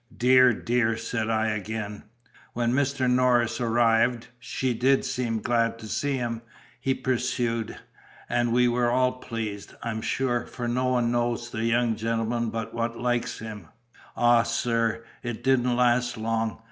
"Dear, dear!" said I again. "When Mr. Norris arrived, she DID seem glad to see him," he pursued; "and we were all pleased, I'm sure; for no one knows the young gentleman but what likes him. Ah, sir, it didn't last long!